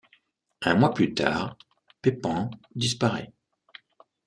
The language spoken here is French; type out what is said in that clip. Un mois plus tard, Pepan disparaît.